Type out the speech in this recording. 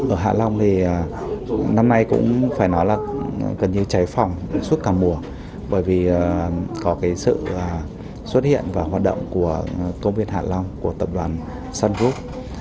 ở hạ long thì năm nay cũng phải nói là gần như cháy phòng suốt cả mùa bởi vì có cái sự xuất hiện và hoạt động của công viên hạ long của tập đoàn sun group